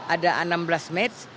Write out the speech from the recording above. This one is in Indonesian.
ada enam belas match